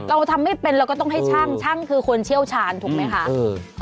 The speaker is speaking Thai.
เราทำไม่เป็นเราก็ต้องให้ช่างช่างคือคนเชี่ยวชาญถูกไหมคะ